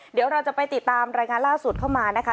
เดี๋ยวเราจะไปติดตามรายงานล่าสุดเข้ามานะคะ